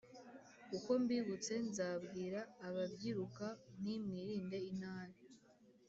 uko mbibutse nzabwira ababyiruka nti mwirinde inabi,